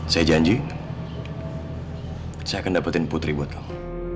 saya janji saya akan dapetin putri buat kamu